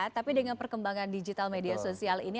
tapi dengan perkembangan digital media sosial ini